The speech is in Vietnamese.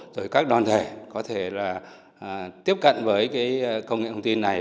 rồi các đoàn thể có thể là tiếp cận với cái công nghệ thông tin này